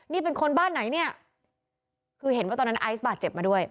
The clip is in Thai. นี่เป็นคนบ้านไหนเนี่ยคือเห็นว่าตอนนั้นไอซ์บาดเจ็บมาด้วย